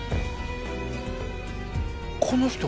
この人。